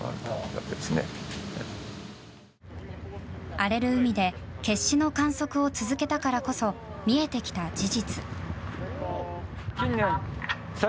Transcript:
荒れる海で決死の観測を続けたからこそ見えてきた事実。